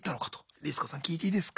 リス子さん聞いていいですか？